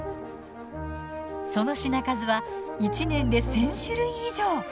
その品数は１年で１，０００種類以上。